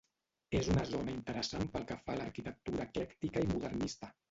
És una zona interessant pel que fa a l'arquitectura eclèctica i modernista.